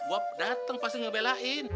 gue datang pasti ngebelain